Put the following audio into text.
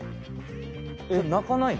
えっ鳴かないの？